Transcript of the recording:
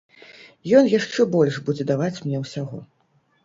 Ён яшчэ больш будзе даваць мне ўсяго.